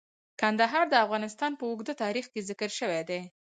کندهار د افغانستان په اوږده تاریخ کې ذکر شوی دی.